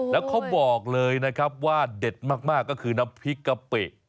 แล้วเขาบอกเลยนะครับว่าเด็ดมากก็คือน้ำพริกกะปิ